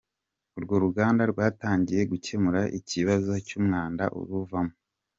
Urwo ruganda rwatangiye gukemura ikibazo cy’umwanda uruvamo .